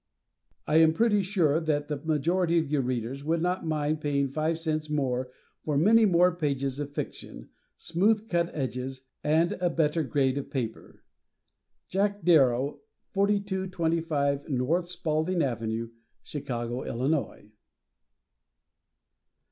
I am pretty sure that the majority of your Readers would not mind paying five cents more for many more pages of fiction, smooth cut edges, and a better grade of paper. Jack Darrow, 4225 N. Spaulding Avenue, Chicago, Illinois.